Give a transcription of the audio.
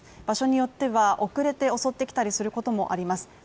場所によっては遅れて襲ってきたりすることもあります。